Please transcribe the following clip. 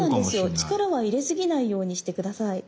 力は入れすぎないようにして下さい。